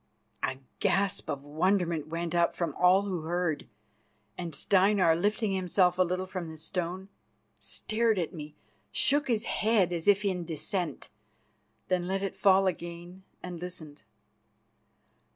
A gasp of wonderment went up from all who heard, and Steinar, lifting himself a little from the stone, stared at me, shook his head as if in dissent, then let it fall again, and listened.